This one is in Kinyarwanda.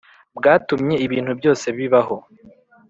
bwatumye ibintu byose bibaho.